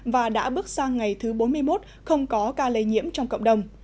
và đã bước sang ngày thứ bốn mươi một không có ca lây nhiễm trong cộng đồng